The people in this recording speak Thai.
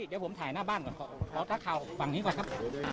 เดี๋ยวผมถ่ายหน้าบ้านก่อนขอท้าข่าวฝั่งนี้ก่อนครับ